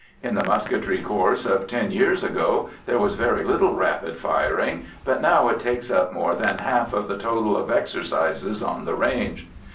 In the musketry course of ten years ago there was very little rapid firing, but now it takes up more than half of the total of exercises on the range.